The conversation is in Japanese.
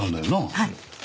はい。